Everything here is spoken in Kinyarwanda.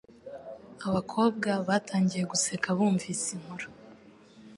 Abakobwa batangiye guseka bumvise inkuru